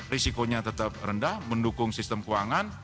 risikonya tetap rendah mendukung sistem keuangan